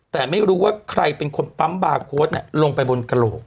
แต่ไม่รู้ว่าใครเป็นคนปั๊มบาร์โค้ดลงไปบนกระโหลก